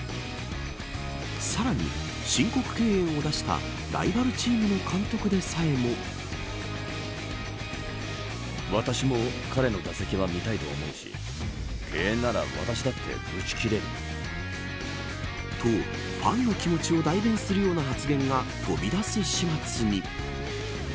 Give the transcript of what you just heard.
さらに、申告敬遠を出したライバルチームの監督でさえも。とファンの気持ちを代弁するような発言が飛び出す始末に。